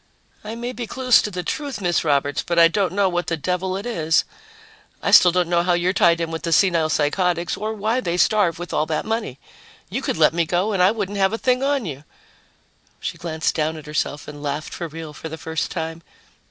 "I may be close to the truth, Miss Roberts, but I don't know what the devil it is. I still don't know how you're tied in with the senile psychotics or why they starve with all that money. You could let me go and I wouldn't have a thing on you." She glanced down at herself and laughed for real for the first time.